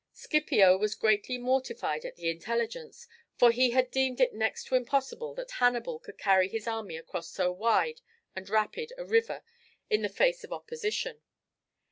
Scipio was greatly mortified at the intelligence, for he had deemed it next to impossible that Hannibal could carry his army across so wide and rapid a river in the face of opposition.